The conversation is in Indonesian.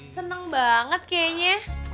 seneng banget kayaknya